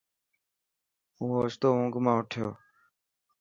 هون اوڇتو اونگ منا اٺيو.